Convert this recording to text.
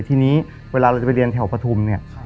ทีนี้เวลาเราจะไปเรียนแถวปฐุมเนี่ย